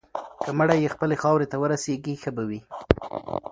که مړی یې خپلې خاورې ته ورسیږي، ښه به وي.